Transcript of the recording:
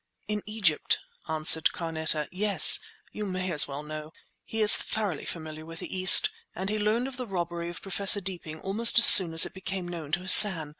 "In Egypt!" answered Carneta. "Yes! You may as well know! He is thoroughly familiar with the East, and he learned of the robbery of Professor Deeping almost as soon as it became known to Hassan.